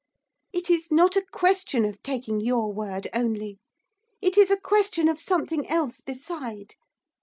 'It is not a question of taking your word only, it is a question of something else beside.